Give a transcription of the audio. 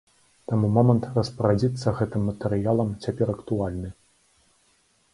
Таму момант распарадзіцца гэтым матэрыялам цяпер актуальны.